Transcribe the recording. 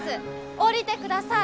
下りてください！